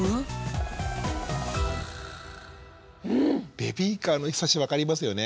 ベビーカーのひさし分かりますよね。